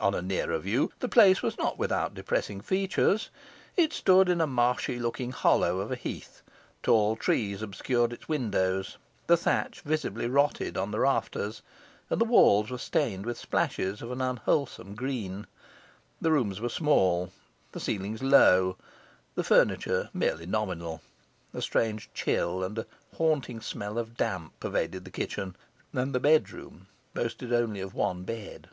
On a nearer view, the place was not without depressing features. It stood in a marshy looking hollow of a heath; tall trees obscured its windows; the thatch visibly rotted on the rafters; and the walls were stained with splashes of unwholesome green. The rooms were small, the ceilings low, the furniture merely nominal; a strange chill and a haunting smell of damp pervaded the kitchen; and the bedroom boasted only of one bed.